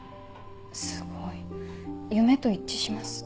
すごい夢と一致します。